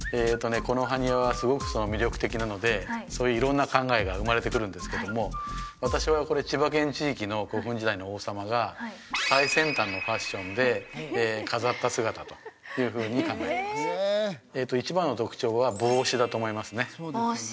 ねこの埴輪はすごく魅力的なのでそういう色んな考えが生まれてくるんですけども私はこれ千葉県地域の古墳時代の王様が最先端のファッションで飾った姿というふうに考えています一番の特徴は帽子だと思いますね帽子